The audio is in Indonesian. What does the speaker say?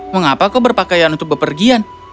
mengapa kau berpakaian untuk bepergian